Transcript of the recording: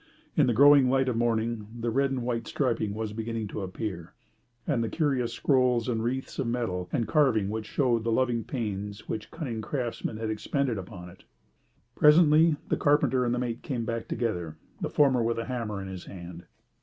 In the growing light of morning the red and white striping was beginning to appear, and the curious scrolls and wreaths of metal and carving which showed the loving pains which cunning craftsmen had expended upon it. Presently the carpenter and the mate came back together, the former with a hammer in his hand.